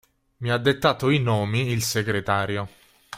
Mi ha dettato i nomi il segretario.